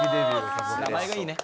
名前がいいね。